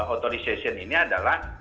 authorization ini adalah